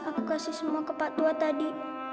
aku kasih semua ke pak tua tadi